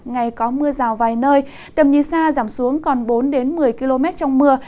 ngày có mưa rào vài nơi tầm nhìn xa giảm xuống còn bốn một mươi km trong mưa